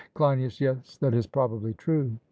CLEINIAS: Yes, that is probably true.